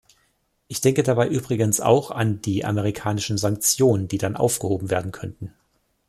Ich denke dabei übrigens auch an die amerikanischen Sanktionen, die dann aufgehoben werden könnten.